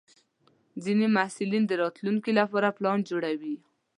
ځینې محصلین د راتلونکي لپاره پلان جوړوي.